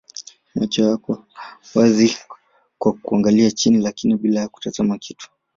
Macho yako wazi kiasi kwa kuangalia chini lakini bila kutazama kitu.